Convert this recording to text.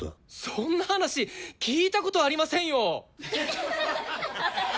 そんな話聞いたことありませんよ！